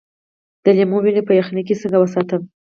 د لیمو ونې په یخنۍ کې څنګه وساتم؟